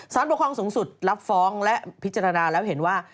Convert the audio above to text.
ปกครองสูงสุดรับฟ้องและพิจารณาแล้วเห็นว่า